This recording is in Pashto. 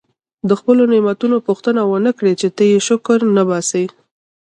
د خپلو نعمتونو پوښتنه ونه کړي چې ته یې شکر نه وباسې.